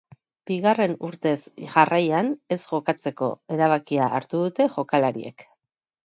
Bigarren urtez jarraian ez jokatzeko erabakia hartu dute jokalariek.